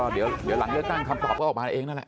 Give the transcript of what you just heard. เดี๋ยวหลังเลือกตั้งคำตอบก็ออกมาเองนั่นแหละ